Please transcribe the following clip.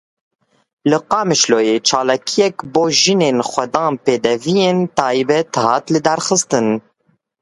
Li Qamişloyê çalakiyek bo jinên xwedan pêdiviyên taybet hat lidarxistin.